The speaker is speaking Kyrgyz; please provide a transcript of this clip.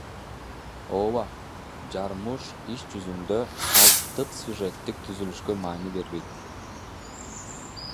Ооба, Жармуш иш жүзүндө салттык сюжеттик түзүлүшкө маани бербейт.